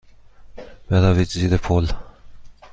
بروید زیر پل.